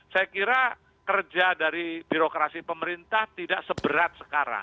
saya kira kerja dari birokrasi pemerintah tidak seberat sekarang